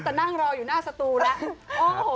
สงสารล่ะแต่นั่งรออยู่หน้าสตูล์ละ